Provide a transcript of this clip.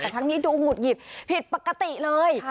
แต่ครั้งนี้ดูหงุดหงิดผิดปกติเลย